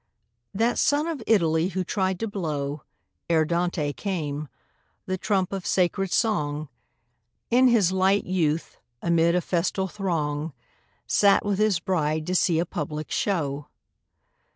_ That son of Italy who tried to blow, Ere Dante came, the trump of sacred song, In his light youth amid a festal throng Sate with his bride to see a public show.